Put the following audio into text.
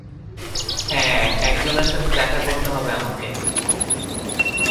হ্যাঁ, একজনের সাথে দেখা করতে হবে আমাকে।